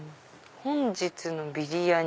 「本日のビリヤニ」。